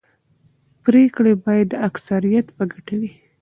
پرېکړې باید د اکثریت په ګټه وي